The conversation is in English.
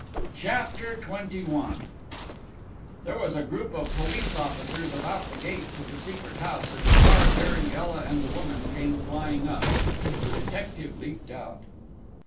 CHAPTER XXI There was a group of police officers about the gates of the Secret House as the car bearing Ela and the woman came flying up. The detective leapt out.